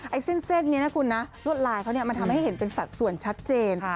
เส้นนี้นะคุณนะลวดลายเขาเนี่ยมันทำให้เห็นเป็นสัดส่วนชัดเจน